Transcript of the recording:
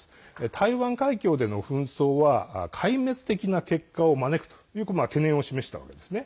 台湾海峡での紛争は壊滅的な結果を招くという懸念を示したわけなんです。